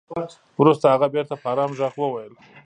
وروسته هغه بېرته په ارام ږغ وويل.